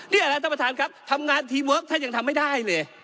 นี่แหละท่านประธานครับทำงานทีเวิร์คท่านยังทำไม่ได้เลย